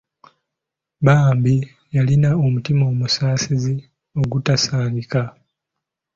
Bambi yalina omutima omusaasizi ogutasangika.